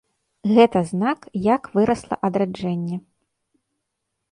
Гэта знак, як вырасла адраджэнне.